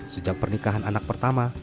sejak pernikahan anak pertama